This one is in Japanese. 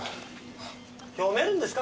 読めるんですか？